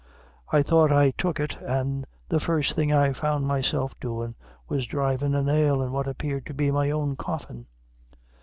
I thought I took it, an' the first thing I found myself doin' was drivin' a nail in what appeared to be my own coffin.